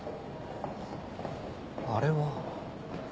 あれは。